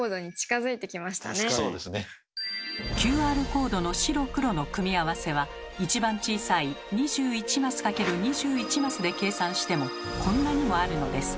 ＱＲコードの白黒の組み合わせは一番小さい２１マス×２１マスで計算してもこんなにもあるのです。